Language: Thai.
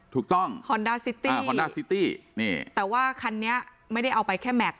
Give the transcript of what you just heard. ถูกต้องฮอนดาซิตี้ฮอนด้าซิตี้นี่แต่ว่าคันนี้ไม่ได้เอาไปแค่แม็กซ